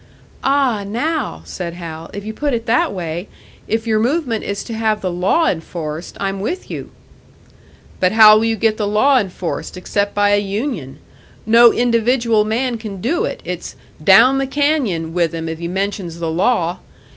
"Ah, now!" said Hal. "If you put it that way if your movement is to have the law enforced I'm with you!" "But how will you get the law enforced, except by a union? No individual man can do it it's 'down the canyon' with him if he mentions the law.